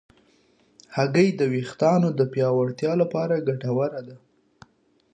هګۍ د ویښتانو د پیاوړتیا لپاره ګټوره ده.